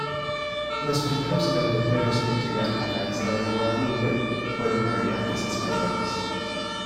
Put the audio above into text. Los primeros europeos en llegar a la isla de Guadalupe fueron navegantes españoles.